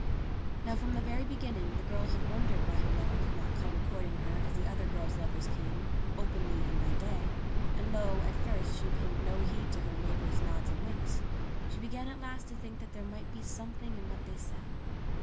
Now from the very beginning the girl had wondered why her lover did not come a courting her as other girls' lovers came, openly and by day, and though, at first, she paid no heed to her neighbours' nods and winks, she began at last to think there might be something in what they said.